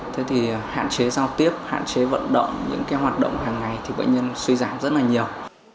thế thì hạn chế giao tiếp hạn chế vận động những cái hoạt động hàng ngày thì bệnh nhân suy giảm rất là nhiều